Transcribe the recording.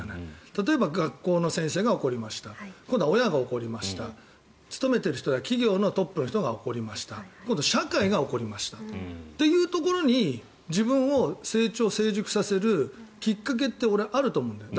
例えば学校の先生が怒りました今度は親が怒りました勤めている人は企業のトップの人が怒りました今度、社会が怒りましたというところに、自分を成長、成熟させるきっかけって俺、あると思うんだよ。